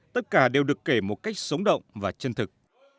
tất cả đều được kể một cách sống động và chân thực